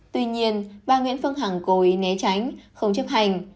tuy nhiên bà nguyễn phương hằng cố ý né tránh không chấp hành